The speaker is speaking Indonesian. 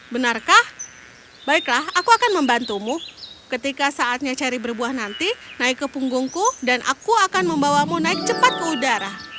benarkah baiklah aku akan membantumu ketika saatnya cherry berbuah nanti naik ke punggungku dan aku akan membawamu naik cepat ke udara